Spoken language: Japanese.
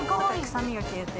臭みが消えて。